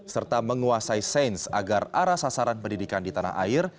serta menguasai sains agar arah sasaran pendidikan di tanah air